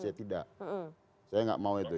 saya tidak mau itu